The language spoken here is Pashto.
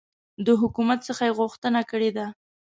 د حکومت څخه یي غوښتنه کړې ده